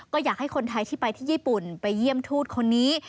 ก็อยากให้คนไทยที่ไปที่ญี่ปุ่นไปเยี่ยมทูตคนนี้